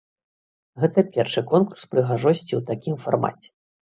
Гэта першы конкурс прыгажосці ў такім фармаце.